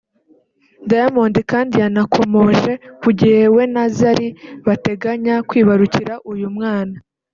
Diamond kandi yanakomoje ku gihe we na Zari bateganya kwibarukira uyu mwana